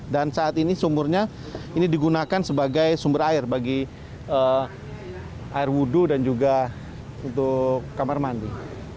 dan saat ini sumurnya ini digunakan sebagai sumber air bagi air wudhu dan juga untuk kamar mandi